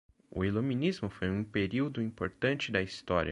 O iluminismo foi um período importante da história